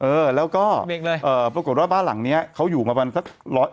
เออแล้วก็เบรกเลยเอ่อปรากฏว่าบ้านหลังเนี้ยเขาอยู่มาปันสักร้อย